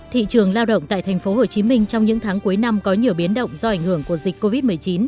thị trường lao động tại tp hcm trong những tháng cuối năm có nhiều biến động do ảnh hưởng của dịch covid một mươi chín